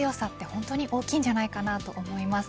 本当に大きいんじゃないかと思います。